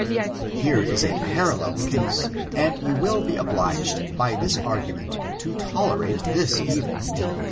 Here is a parallel case, and you will be obliged, by this argument, to tolerate this evil.